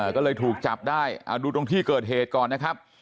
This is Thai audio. ก็เลยถูกจับได้ดูตรงที่เกิดเหตุก่อนนะครับ